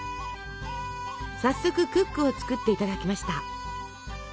早速クックを作っていただきました。